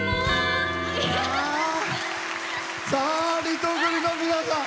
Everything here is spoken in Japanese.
リトグリの皆さん。